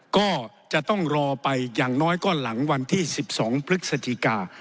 ก็จะต้องรอไปอย่างน้อยก็หลังวันที่๑๒พฤศจิกา